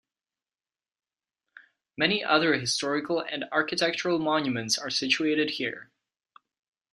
Many other historical and architectural monuments are situated here.